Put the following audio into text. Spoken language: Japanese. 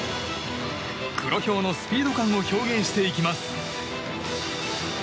黒豹のスピード感を表現していきます。